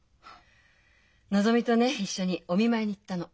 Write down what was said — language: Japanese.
のぞみとね一緒にお見舞いに行ったの。